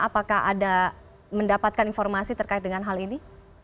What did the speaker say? apakah ada mendapatkan informasi terkait dengan hal ini